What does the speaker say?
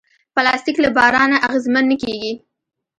پلاستيک له باران نه اغېزمن نه کېږي.